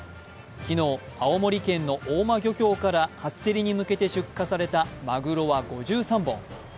昨日、青森県の大間漁協から初競りに向けて出荷されたまぐろは５３本。